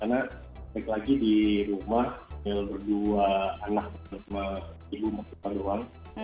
karena baik lagi di rumah ya berdua anak cuma ibu maksudnya doang